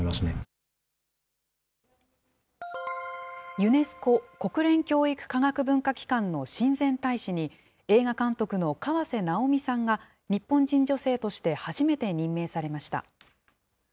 ユネスコ・国連教育科学文化機関の親善大使に、映画監督の河瀬直美さんが、日本人女性として初めて任命されました。